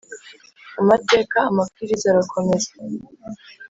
amateka amabwiriza arakomeza